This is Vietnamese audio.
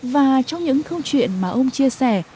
và trong những câu chuyện mà ông chia sẻ